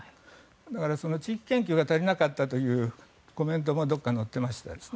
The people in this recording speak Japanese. だから、地域研究が足りなかったというコメントもどこかに載っていました。